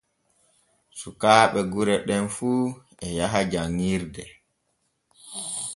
Sukaaɓe gure ɗem fu e yaha janŋirde.